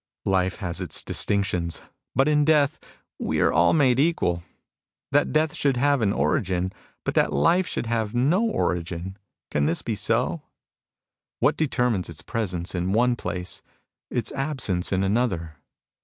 Life has its distinctions ; but in death we are all made equal. That death should have an origin, but that life should have no origin, — can this be so ? What determines its presence in one place, its absence in another